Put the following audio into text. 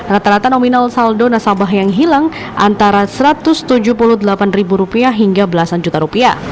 rata rata nominal saldo nasabah yang hilang antara rp satu ratus tujuh puluh delapan hingga belasan juta rupiah